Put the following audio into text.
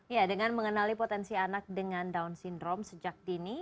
ya dengan mengenali potensi anak dengan down syndrome sejak dini